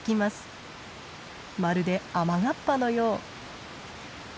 まるで雨がっぱのよう。